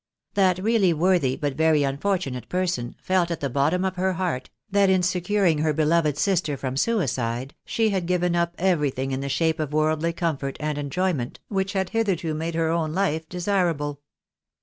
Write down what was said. That really worthy, but very unfortunate person, felt at the bottom of her heart that in securing her beloved sister from suicide, she had given up everything in the shape of worldly comfort and fnjoyment 72 THE BARNABYS IN AMERICA. wliicli had hitherto made her own life so desirable.